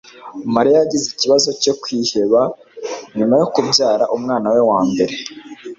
Mariya yagize ikibazo cyo kwiheba nyuma yo kubyara umwana we wa mbere.